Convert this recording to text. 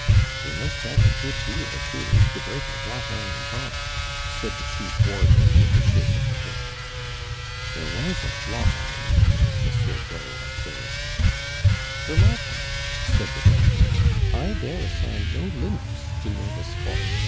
"She must have a good deal too, to break a wrought iron bar," said the chief warder, with a shake of the head. "There was a flaw in it," Monsieur Gault observed. "For my part," said the doctor, "I dare assign no limits to nervous force.